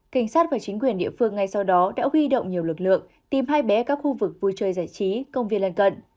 cảnh sát và chính quyền địa phương ngay sau đó đã huy động nhiều lực lượng tìm hai bé các khu vực vui chơi giải trí công viên lần cận